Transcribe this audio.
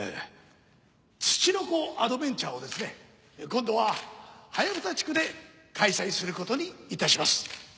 ツチノコアドベンチャーをですね今度はハヤブサ地区で開催する事に致します。